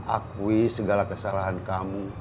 akui segala kesalahan kamu